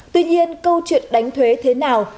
tuy nhiên câu chuyện đánh thuế thế nào